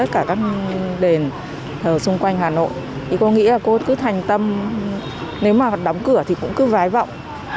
cả các đền thờ xung quanh hà nội thì cô nghĩ là cô cứ thành tâm nếu mà đóng cửa thì cũng cứ vái vọng